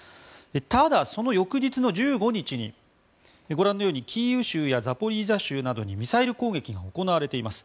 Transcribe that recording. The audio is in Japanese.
ただ、その翌日の１５日にご覧のようにキーウ州やザポリージャ州などにミサイル攻撃が行われています。